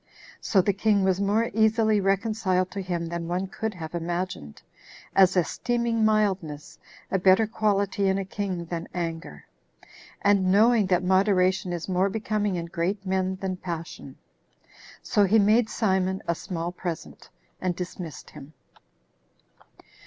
So the king was more easily reconciled to him than one could have imagined, as esteeming mildness a better quality in a king than anger, and knowing that moderation is more becoming in great men than passion. So he made Simon a small present, and dismissed him.